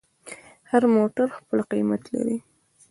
هر موټر خپل قیمت لري.